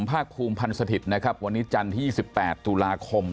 พราคภูมิพันธุ์สถิตย์วันนี้จันที่๒๘ตุลาคม